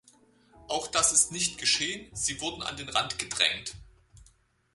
Auch das ist nicht geschehen sie wurden an den Rand gedrängt.